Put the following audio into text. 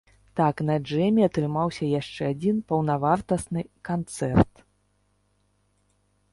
Так, на джэме атрымаўся яшчэ адзін паўнавартасны канцэрт!